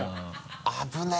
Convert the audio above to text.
危ない。